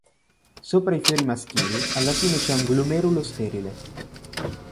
Sopra i fiori maschili, alla fine c'è un glomerulo sterile.